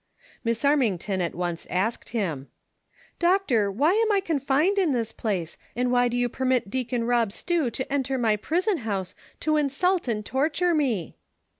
Miss Armington at once asked him :" Doctor, why am I confined in this place, and w^hy do you permit Deacon Kob Stew to enter my prison house to insult and torture me